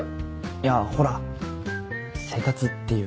いやほら生活っていうか。